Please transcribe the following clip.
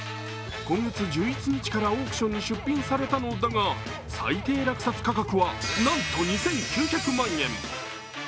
今月１１日からオークションに出品されたのだが最低落札価格はなんと２９００万円。